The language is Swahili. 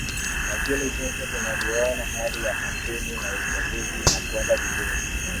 lakini jinsi tunavyoona hali ya kampeni na uchaguzi inakwenda vizuri